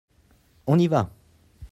On y va !